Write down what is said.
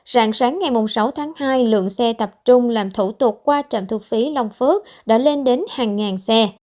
rạng sáng ngày sáu tháng hai lượng xe tập trung làm thủ tục qua trạm thu phí long phước đã lên đến hàng ngàn xe